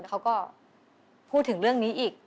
เขาก็พูดถึงเรื่องนี้อีก